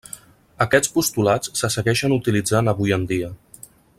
Aquests postulats se segueixen utilitzant avui en dia.